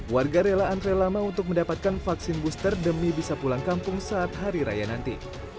warga rela antre lama untuk mendapatkan vaksin booster demi bisa pulang kampung saat hari raya nanti